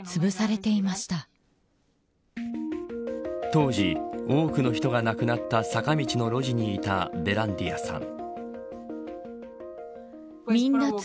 当時、多くの人が亡くなった坂道の路地にいたベランディアさん。